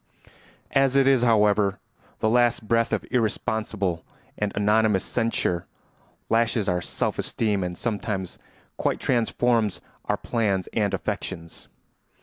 As it is, however, the least breath of irresponsible and anonymous censure lashes our self esteem and sometimes quite transforms our plans and affections.